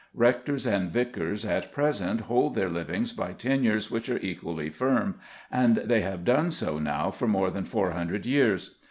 Rectors and vicars at present hold their livings by tenures which are equally firm, and they have done so now for more than four hundred years.